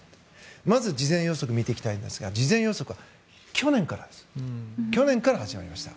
まず、事前予測を見ていきたいんですが事前予測は去年から始まりました。